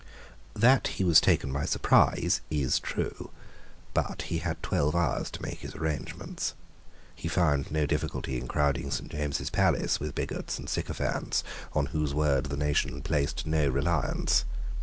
That he was taken by surprise is true. But he had twelve hours to make his arrangements. He found no difficulty in crowding St. James's Palace with bigots and sycophants on whose word the nation placed no reliance.